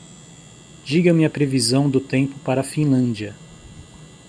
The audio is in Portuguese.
Diga-me a previsão do tempo para a Finlândia